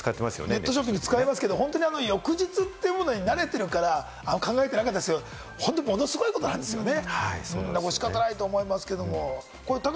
ネットショッピング使いますけど、翌日ってものに慣れてるから、考えてなかったですけど、ものすごいことなんですよね。